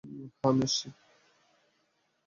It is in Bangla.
হ্যাঁ, আমি আসছি!